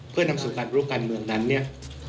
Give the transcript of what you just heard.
เพื่อนำสู่การลุกการเมืองนั้นเนี่ย